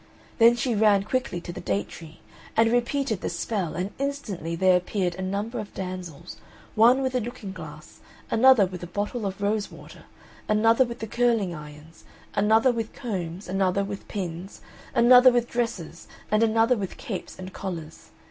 Then she ran quickly to the date tree, and repeated the spell, and instantly there appeared a number of damsels, one with a looking glass, another with a bottle of rose water, another with the curling irons, another with combs, another with pins, another with dresses, and another with capes and collars.